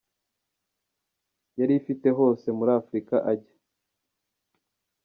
yari ifite hose muri Afurika ajya.